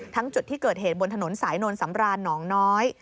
จุดที่เกิดเหตุบนถนนสายนวลสำรานหนองน้อย